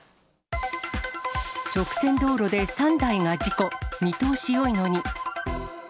直線道路で３台が事故、見通しよいのに。